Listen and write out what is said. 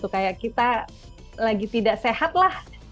kayak kita lagi tidak sehat lah